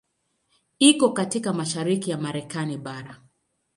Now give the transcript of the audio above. Iko katika mashariki ya Marekani bara.